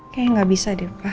kayak gak bisa deh pak